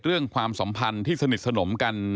เรื่องความสมภัณฑ์ที่สนิทสนมกัน